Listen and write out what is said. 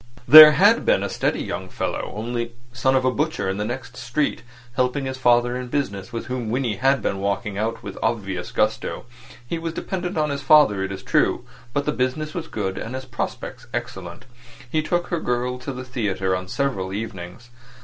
There had been a steady young fellow, only son of a butcher in the next street, helping his father in business, with whom Winnie had been walking out with obvious gusto. He was dependent on his father, it is true; but the business was good, and his prospects excellent. He took her girl to the theatre on several evenings.